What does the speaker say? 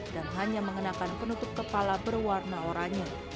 dan hanya mengenakan penutup kepala berwarna oranya